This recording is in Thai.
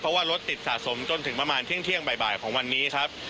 เพราะว่ารถติดสะสมจนถึงประมาณเที่ยงบ่ายของวันนี้ครับ